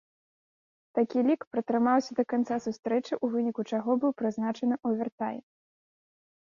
Такі лік пратрымаўся да канца сустрэчы, у выніку чаго быў прызначаны овертайм.